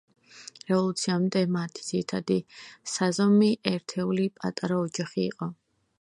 რევოლუციამდე მათი ძირითადი საზომი ერთეული პატარა ოჯახი იყო.